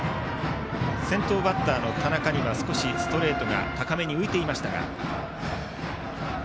先頭バッターの高橋には少しストレートが高めに浮いていましたが。